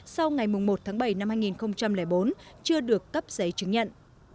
sau ngày một tháng bảy năm hai nghìn bốn chưa được cấp giấy chứng nhận